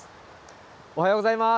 おはようございます。